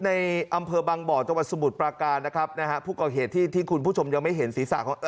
ในอำเภอบังบ่าจวัตรสมุดประการนะครับนะฮะผู้ก่อเหตุที่คุณผู้ชมยังไม่เห็นสีสาของ